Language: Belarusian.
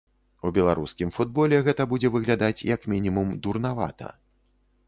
У беларускім футболе гэта будзе выглядаць як мінімум дурнавата.